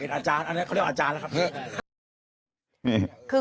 เป็นอาจารย์อันนี้เขาเรียกว่าอาจารย์นะครับ